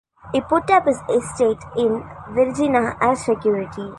He put up his estate in Virginia as security.